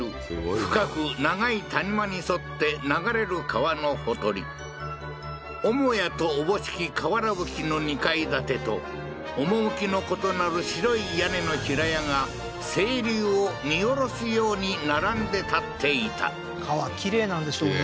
深く長い谷間に沿って流れる川のほとり母屋とおぼしき瓦ぶきの２階建てと趣の異なる白い屋根の平屋が清流を見下ろすように並んで建っていた川きれいなんでしょうね